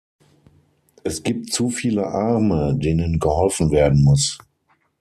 Es gibt zu viele Arme, denen geholfen werden muss.